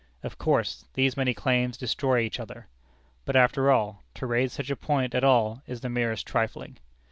Of course, these many claims destroy each other. But after all, to raise such a point at all is the merest trifling.